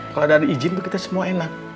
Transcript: kalau ada izin kita semua enak